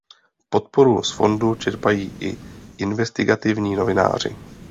Podporu z fondu čerpají i investigativní novináři.